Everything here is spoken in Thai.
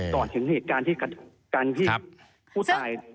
ต่อถึงเหตุการณ์ที่ผู้ตาย